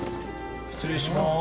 失礼します。